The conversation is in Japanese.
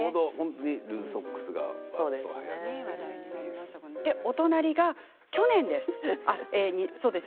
ルーズソックスがそのお隣が去年です。